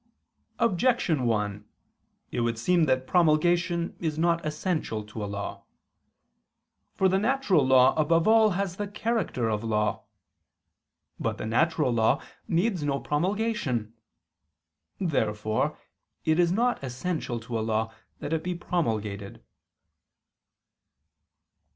Objection 1: It would seem that promulgation is not essential to a law. For the natural law above all has the character of law. But the natural law needs no promulgation. Therefore it is not essential to a law that it be promulgated.